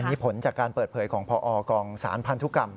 นี่ผลจากการเปิดเผยของพอกองสารพันธุกรรม